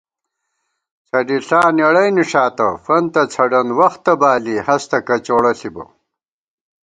څھڈیݪا نېڑَئی نِݭاتہ فنتہ څھڈَن وختہ بالی ہستہ کچوڑہ ݪِبہ